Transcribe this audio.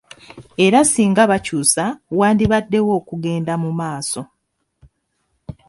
Era singa bakyusa wandibaddewo okugenda mumaaso.